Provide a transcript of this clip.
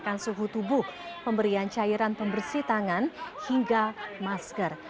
menekan suhu tubuh pemberian cairan pembersih tangan hingga masker